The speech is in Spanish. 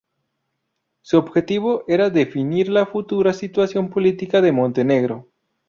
Su objetivo era definir la futura situación política de Montenegro.